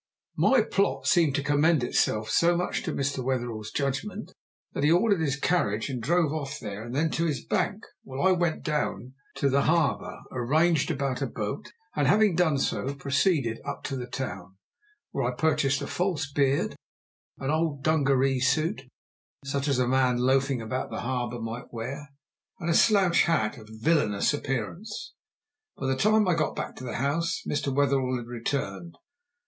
My plot seemed to commend itself so much to Mr. Wetherell's judgment, that he ordered his carriage and drove off there and then to his bank, while I went down to the harbour, arranged about a boat, and having done so, proceeded up to the town, where I purchased a false beard, an old dungaree suit, such as a man loafing about the harbour might wear, and a slouch hat of villainous appearance. By the time I got back to the house Mr. Wetherell had returned.